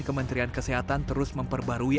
kementerian kesehatan terus memperbarui